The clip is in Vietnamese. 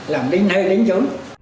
làm đến nơi đến chỗ